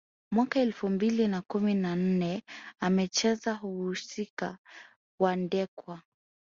Mwaka elfu mbili na kumi na nne amecheza uhusika wa Ndekwa